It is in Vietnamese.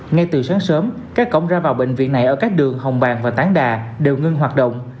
ngay từ sáng sớm các cổng ra vào bệnh viện này ở các đường hồng bàng và tán đà đều ngưng hoạt động